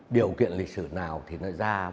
điều kiện lịch sử nào thì nó ra